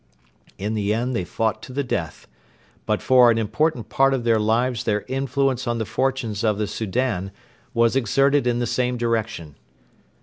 In the end they fought to the death, but for an important part of their lives their influence on the fortunes of the Soudan was exerted in the same direction.